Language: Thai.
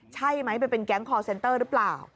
ใช่ไหมไปเป็นแก๊งคอร์เซนเตอร์หรือเปล่า